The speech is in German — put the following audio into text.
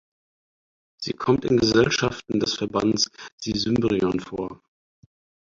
Sie kommt in Gesellschaften des Verbands Sisymbrion vor.